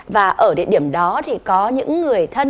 và ở địa điểm đó thì có những người thân